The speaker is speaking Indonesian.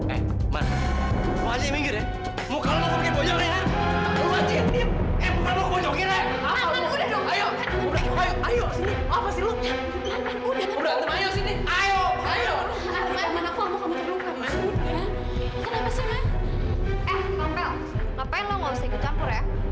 eh tukang pel ngapain lo nggak usah ikut campur ya